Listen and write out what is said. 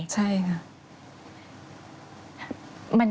ใช่ค่ะ